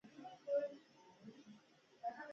ژورې سرچینې د افغانانو د ګټورتیا برخه ده.